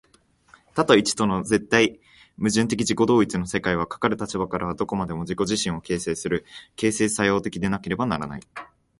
多と一との絶対矛盾的自己同一の世界は、かかる立場からはどこまでも自己自身を形成する、形成作用的でなければならない。